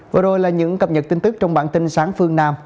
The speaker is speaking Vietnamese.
vừa rồi là những cập nhật tin tức trong bản tin sáng phương nam